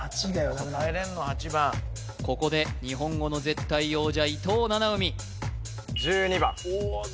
８番ここで日本語の絶対王者伊藤七海